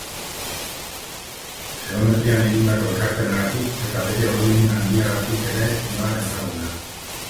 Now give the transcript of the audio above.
Geometrian egindako ekarpenengatik eta bere oroimen handiagatik ere da ezaguna.